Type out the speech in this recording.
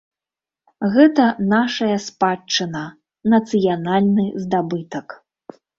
Гэта нашая спадчына, нацыянальны здабытак.